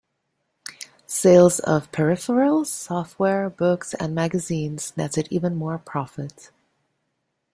Sales of peripherals, software, books and magazines netted even more profit.